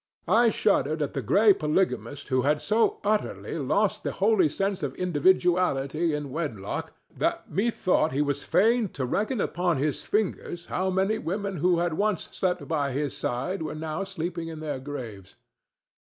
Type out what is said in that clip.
I shuddered at the gray polygamist who had so utterly lost the holy sense of individuality in wedlock that methought he was fain to reckon upon his fingers how many women who had once slept by his side were now sleeping in their graves.